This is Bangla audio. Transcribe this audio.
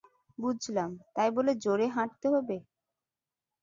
বুঝলাম, তাই বলে জোরে হাঁটতে হবে?